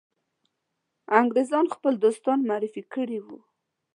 انګرېزان خپل دوستان معرفي کړي وه.